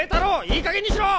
いいかげんにしろ！